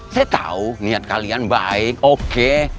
saya tahu niat kalian baik oke